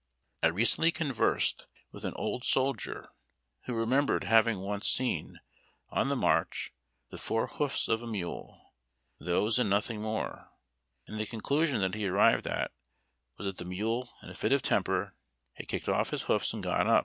I recently conversed with an old soldier who remembered having once seen, on the march, the four hoofs of a mule — those and nothing more; and the conclusion that he arrived at was that the mule, in a fit of temper, had kicked off his hoofs and gone up.